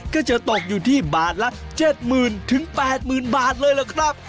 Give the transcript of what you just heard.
ก็จะตกอยู่ที่บาทละ๗๐๐๐๘๐๐๐บาทเลยล่ะครับ